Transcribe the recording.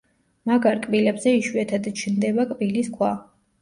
მაგარ კბილებზე იშვიათად ჩნდება კბილის ქვა.